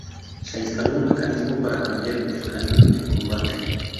Se instaló un mecanismo para cambiar el cañón en combate.